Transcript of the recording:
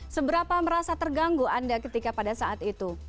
seberapa merasa terganggu anda ketika pada saat itu